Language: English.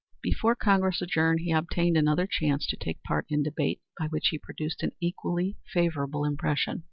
Before Congress adjourned he obtained another chance to take part in debate, by which he produced an equally favorable impression.